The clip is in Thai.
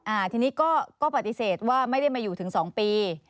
อ่าทีนี้ก็ก็ปฏิเสธว่าไม่ได้มาอยู่ถึงสองปี